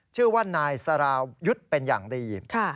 ชื่อว่านายสารายุทธ์เป็นอย่างดี